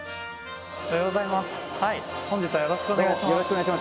おはようございます。